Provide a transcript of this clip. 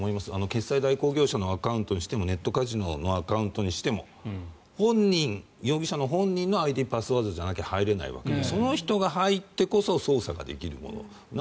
決済代行業者のアカウントにしてもネットカジノのアカウントにしても本人、容疑者本人のＩＤとパスワードじゃないと入れないわけでその人が入ってこそ操作ができる。